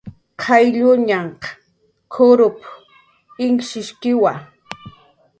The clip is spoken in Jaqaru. "Qaylluñan kururp"" inkishkiwa"